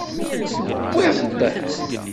Tewwiḍ-t?